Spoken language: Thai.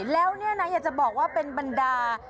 แล้วเนี่ยนะอยากจะบอกว่าเป็นบรรดา